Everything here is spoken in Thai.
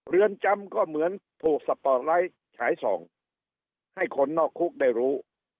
เรือนจำก็เหมือนถูกสปอร์ตไลท์ฉายส่องให้คนนอกคุกได้รู้